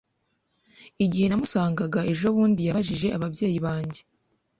Igihe namusangaga ejobundi yabajije ababyeyi banjye.